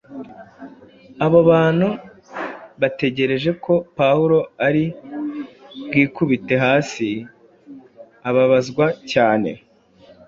abo bantu bategereje ko Pawulo ari bwikubite hasi ababazwa cyane.